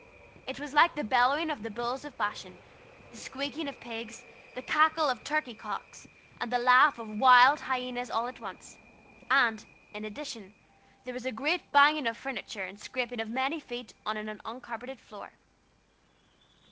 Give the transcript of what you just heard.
It was like the bellowing of the bulls of Bashan, the squeaking of pigs, the cackle of turkey cocks, and the laugh of wild hyenas all at once; and, in addition, there was a great banging of furniture and scraping of many feet on an uncarpeted floor.